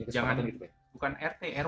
jangan bukan rt rw